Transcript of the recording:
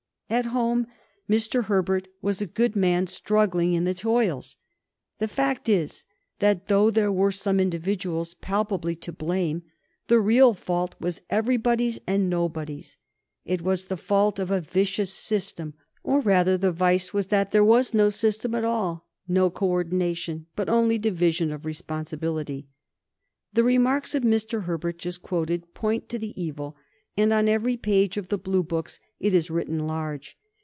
At home, Mr. Herbert was a good man struggling in the toils. The fact is that, though there were some individuals palpably to blame, the real fault was everybody's or nobody's. It was the fault of a vicious system, or rather the vice was that there was no system at all, no co ordination, but only division of responsibility. The remarks of Mr. Herbert, just quoted, point to the evil, and on every page of the Blue books it is written large.